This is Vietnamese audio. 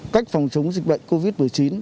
cách phòng chống dịch bệnh covid một mươi chín